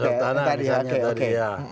soal tanah misalnya tadi ya